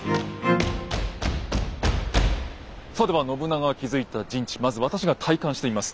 さあでは信長が築いた陣地まず私が体感してみます。